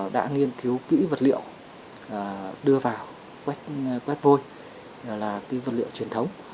đã nghiên cứu kỹ vật liệu đưa vào quét vôi là vật liệu truyền thống